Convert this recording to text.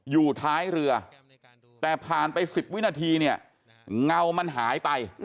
อยู่ท้ายเรือแต่ผ่านไป๑๐วินาทีเนี่ยเงามันหายไป